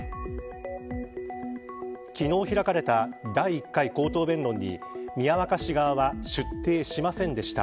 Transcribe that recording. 昨日開かれた第１回口頭弁論に宮若市側は出廷しませんでした。